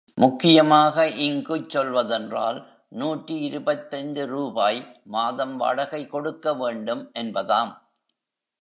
முக்கியமாக, இங்குச் செல்வதென்றால் நூற்றி இருபத்தைந்து ரூபாய் மாதம் வாடகை கொடுக்க வேண்டுமே என்பதாம்.